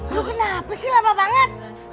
loh kenapa sih lama banget